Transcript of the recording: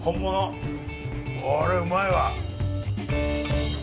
これ、うまいわ。